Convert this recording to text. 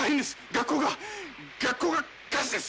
学校が学校が火事です